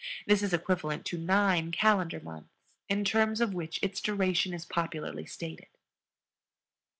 This is equivalent to 9 calendar months, in terms of which its duration is popularly stated.